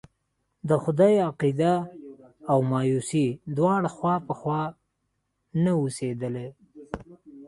د خدای عقيده او مايوسي دواړه خوا په خوا نه اوسېدلی.